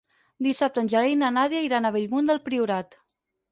Dissabte en Gerai i na Nàdia iran a Bellmunt del Priorat.